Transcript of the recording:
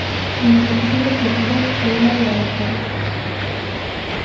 En el episodio Perdido, Teyla y la Dra.